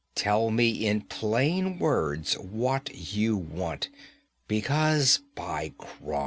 Tell me in plain words what you want, because, by Crom!